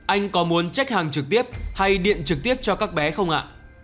anh có muốn trách hàng trực tiếp hay điện trực tiếp cho các bé không ạ